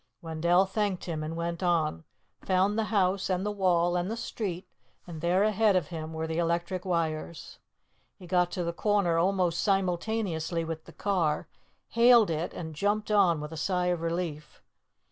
Wendell thanked him and went on, found the house and the wall and the street, and there ahead of him were the electric wires. He got to the corner almost simultaneously with the car, hailed it and jumped on with a sigh of relief.